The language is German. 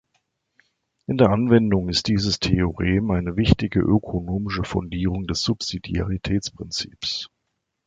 In der Anwendung ist dieses Theorem eine wichtige ökonomische Fundierung des Subsidiaritätsprinzips.